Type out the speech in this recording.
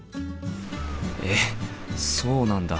えっそうなんだ。